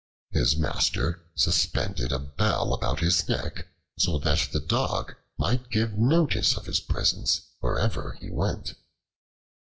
His master suspended a bell about his neck so that the Dog might give notice of his presence wherever he went.